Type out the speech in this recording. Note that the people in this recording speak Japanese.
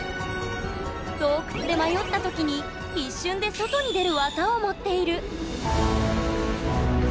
洞窟で迷った時に一瞬で外に出るわざを持っている！